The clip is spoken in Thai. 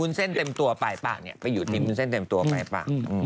ทุนเส้นเต็มตัวไปป่ะไปอยู่ทิมทุนเส้นเต็มตัวไปป่ะ